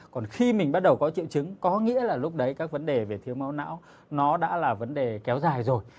còn khi mình bắt đầu có triệu chứng có nghĩa là lúc đấy các vấn đề về thiếu máu não nó đã là vấn đề kéo dài rồi